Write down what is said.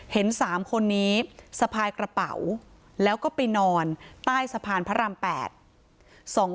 ๓คนนี้สะพายกระเป๋าแล้วก็ไปนอนใต้สะพานพระราม๘